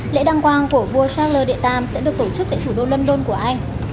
lễ đăng quang của vua charles viii sẽ được tổ chức tại thủ đô london của anh